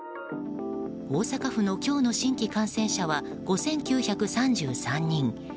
大阪府の今日の新規感染者は５９３３人。